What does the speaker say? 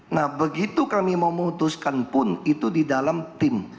nah begitu kami memutuskan pun itu di dalam tim